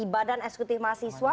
badan eksekutif mahasiswa